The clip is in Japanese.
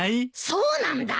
そうなんだ！